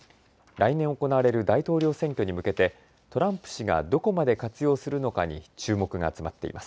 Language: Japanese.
来年行われる大統領選挙に向けてトランプ氏がどこまで活用するのかに注目が集まっています。